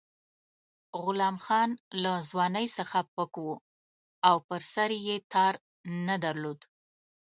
غلام ګل له ځوانۍ څخه پک وو او پر سر یې تار نه درلود.